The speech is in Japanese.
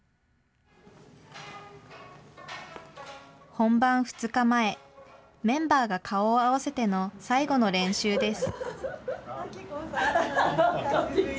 本番２日前、メンバーが顔を合わせての最後の練習です。